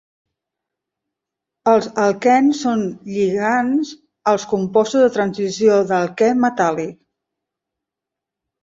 Els alquens són lligands als compostos de transició d"alquè metàl·lic.